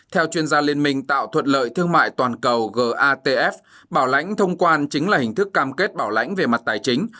theo chuyên gia liên minh tạo thuận lợi thương mại toàn cầu gatf bảo lãnh thông quan chính là hình thức cam kết bảo lãnh về mặt tài chính